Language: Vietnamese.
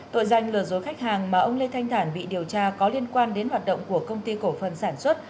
tội danh lừa dối khách hàng mà ông lê thanh thản bị điều tra có liên quan đến hoạt động của công ty cổ phần sản xuất